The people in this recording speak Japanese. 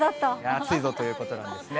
暑いぞということなんですね。